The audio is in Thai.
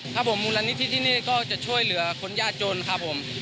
ครับผมมูลนิธิที่นี่ก็จะช่วยเหลือคนยากจนครับผม